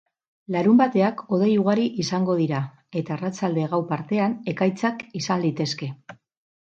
Larunbateak hodei ugari izango dira, eta arratsalde-gau partean ekaitzak izan litezke.